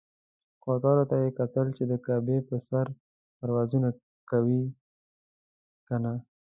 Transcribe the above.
کوترو ته یې کتل چې د کعبې پر سر پرواز کوي کنه.